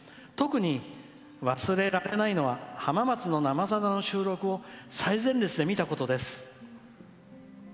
特に、忘れられないのは浜松の「生さだ」の収録を最前列で見たことです」。